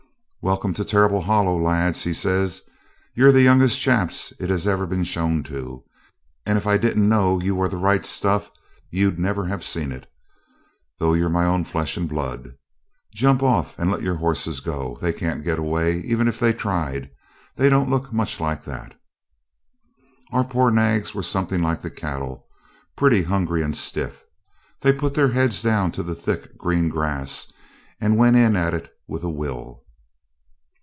'Welcome to Terrible Hollow, lads,' says he. 'You're the youngest chaps it has ever been shown to, and if I didn't know you were the right stuff, you'd never have seen it, though you're my own flesh and blood. Jump off, and let your horses go. They can't get away, even if they tried; they don't look much like that.' Our poor nags were something like the cattle, pretty hungry and stiff. They put their heads down to the thick green grass, and went in at it with a will.